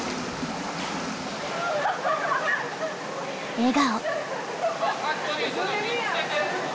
笑顔。